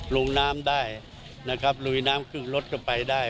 ลุงน้ำได้ลุยน้ำครึ่งรถก็ไปได้